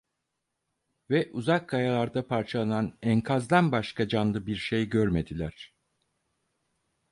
Ve uzak kayalarda parçalanan enkazdan başka canlı bir şey göremediler.